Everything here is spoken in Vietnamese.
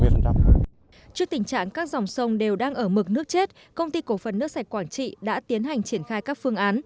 trước tình trạng các dòng sông đều đang ở mực nước chết công ty cổ phần nước sạch quảng trị đã tiến hành triển khai các phương án